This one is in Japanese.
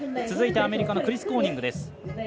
続いてアメリカのクリス・コーニング。